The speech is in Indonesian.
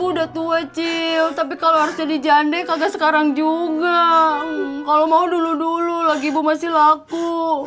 udah tua cil tapi kalau jadi jandek aja sekarang juga kalau mau dulu dulu lagi masih laku